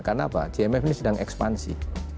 karena apa gmf ini sedang ekspansi